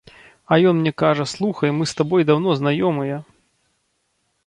А ён мне кажа, слухай, мы з табой даўно знаёмыя.